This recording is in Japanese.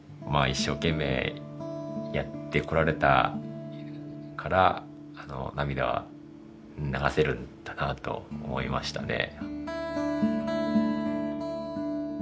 一生懸命やってこられたからあの涙は流せるんだなと思いましたね。